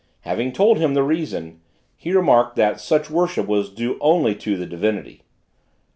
Having told him the reason, he remarked, that such worship was due only to the Divinity.